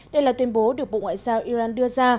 đây là tuyên bố được bộ ngoại giao iran đưa ra